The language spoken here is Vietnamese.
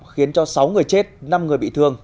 khiến cho sáu người chết năm người bị thương